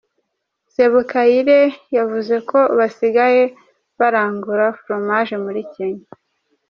Sebukayire yavuze ko basigaye barangura Fromage muri Kenya.